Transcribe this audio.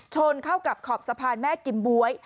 ชนเข้ากับขอบสะพานแม่กิมบ๊วย